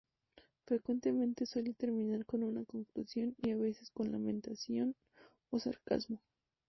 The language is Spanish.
Frecuentemente, suele terminar con una conclusión, y a veces, con lamentación o sarcasmo.